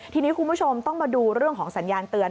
ทีนี้คุณผู้ชมต้องมาดูเรื่องของสัญญาณเตือน